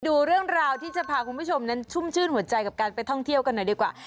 ดูเรื่องราวที่จะพาคุณผู้ชมนั้นชุ่มชื่นหัวใจกับการไปท่องเที่ยวกันหน่อยดีกว่า